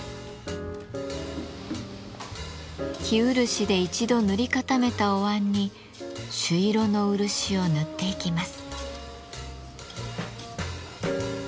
生漆で一度塗り固めたおわんに朱色の漆を塗っていきます。